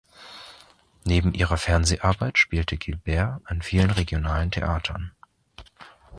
Neben ihrer Fernseharbeit spielte Guilbert an vielen regionalen Theatern.